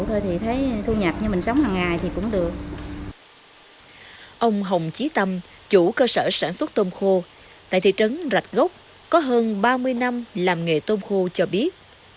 ông hồng trí tâm chủ cơ sở sản xuất tôm khô tại thị trấn rạch gốc có hơn ba mươi năm làm nghề tôm khô cho biết